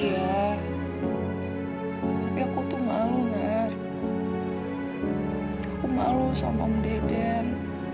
iya aku tuh malu berkemalus om deden